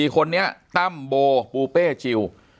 คนนี้ตั้มโบปูเป้จิล